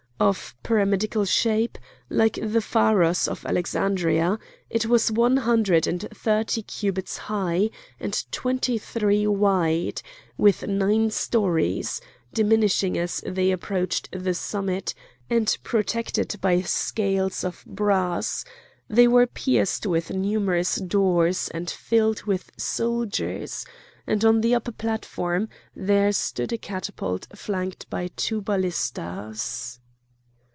Of pyramidical shape, like the pharos of Alexandria, it was one hundred and thirty cubits high and twenty three wide, with nine stories, diminishing as they approached the summit, and protected by scales of brass; they were pierced with numerous doors and were filled with soldiers, and on the upper platform there stood a catapult flanked by two ballistas.